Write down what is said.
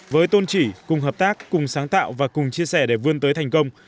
với tôn trị cùng hợp tác cùng sáng tạo và cùng chia sẻ để vươn tới thành công